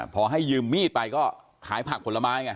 พอให้ยืมมีดไปก็ขายผักผลไม้ไง